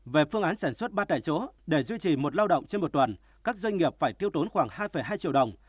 về phương án sản xuất ba tại chỗ để duy trì một lao động trên một tuần các doanh nghiệp phải tiêu tốn khoảng hai hai triệu đồng